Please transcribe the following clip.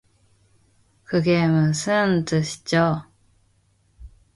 그게 무슨 뜻이죠?